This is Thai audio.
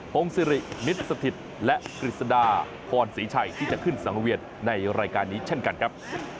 พงศิริมิตรสถิตและกฤษฎาพรศรีชัยที่จะขึ้นสังเวียนในรายการนี้เช่นกันครับ